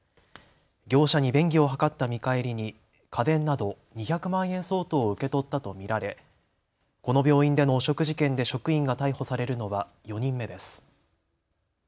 業者に便宜を図った見返りに家電など２００万円相当を受け取ったと見られこの病院での汚職事件で職員が逮捕されるのは４人目です。